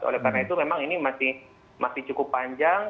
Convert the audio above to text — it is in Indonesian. oleh karena itu memang ini masih cukup panjang